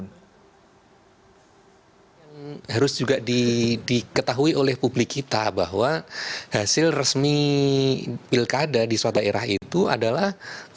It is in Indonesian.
nah yang harus juga diketahui oleh publik kita bahwa hasil resmi pilkada di suatu daerah itu adalah